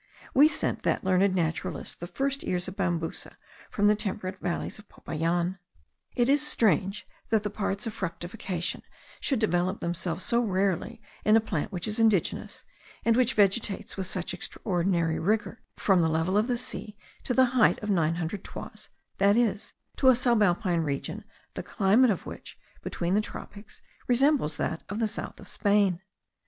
We sent that learned naturalist the first ears of Bambusa from the temperate valleys of Popayan. It is strange that the parts of fructification should develop themselves so rarely in a plant which is indigenous, and which vegetates with such extraordinary rigour, from the level of the sea to the height of nine hundred toises, that is, to a subalpine region the climate of which, between the tropics, resembles that of the south of Spain.